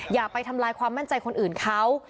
อย่าไปทำลายความมั่นใจคนอื่นเขา